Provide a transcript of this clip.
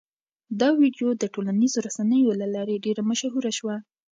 دا ویډیو د ټولنیزو رسنیو له لارې ډېره مشهوره شوه.